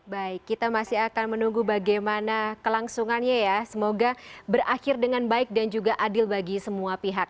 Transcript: baik kita masih akan menunggu bagaimana kelangsungannya ya semoga berakhir dengan baik dan juga adil bagi semua pihak